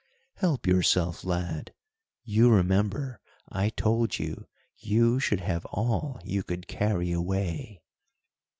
"Help yourself, lad, you remember I told you you should have all you could carry away."